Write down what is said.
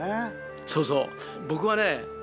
そうそう僕はね